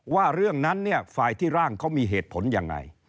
ว่าเรื่องนั้นเนี่ยฝ่ายที่ร่างเขามีเหตุผลยังไง